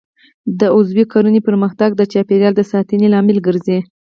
د عضوي کرنې پرمختګ د چاپیریال د ساتنې لامل ګرځي.